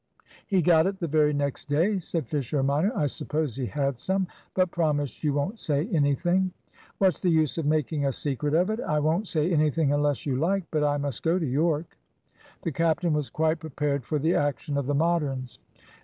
"He got it the very next day," said Fisher minor. "I suppose he had some; but promise you won't say anything." "What's the use of making a secret of it? I won't say anything unless you like. But I must go to Yorke." The captain was quite prepared for the action of the Moderns.